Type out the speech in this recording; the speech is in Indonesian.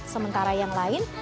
sementara yang lain